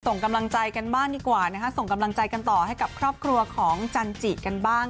ส่งกำลังใจกันบ้างดีกว่านะคะส่งกำลังใจกันต่อให้กับครอบครัวของจันจิกันบ้าง